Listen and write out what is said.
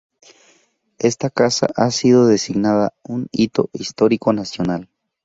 Esta casa ha sido designada un Hito Histórico Nacional.